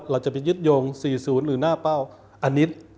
เราจะไปยึดโยงสี่ศูนย์หรือหน้าเป้าอันนี้